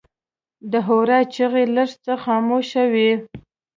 د هورا چیغې لږ څه خاموشه وې.